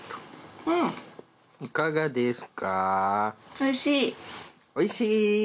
おいしい。